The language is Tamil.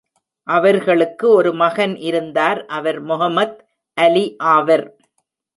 அவர்களுக்கு ஒரு மகன் இருந்தார் அவர் மெஹ்மத் அலி ஆவர்.